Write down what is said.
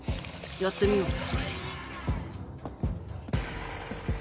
やってみよう。